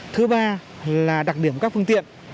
thứ ba là đặc điểm các phương tiện